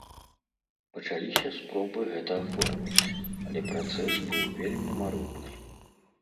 Пачаліся спробы гэта аформіць, але працэс быў вельмі марудны.